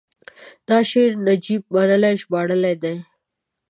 دا شعر نجیب منلي ژباړلی دی: